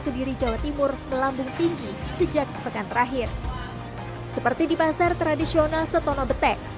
kediri jawa timur melambung tinggi sejak sepekan terakhir seperti di pasar tradisional setono betek